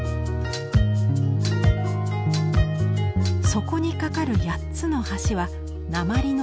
そこに架かる８つの橋は鉛の板。